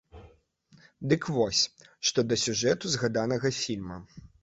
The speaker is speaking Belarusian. Дык вось, што да сюжэту згаданага фільма.